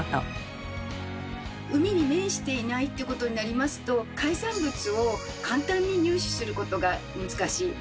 海に面していないってことになりますと海産物を簡単に入手することが難しい。